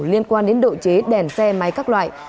liên quan đến độ chế đèn xe máy các loại